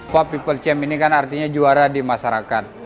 pop people's champ ini kan artinya juara di masyarakat